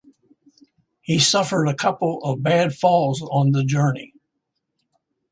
He suffered a couple of bad falls on the journey.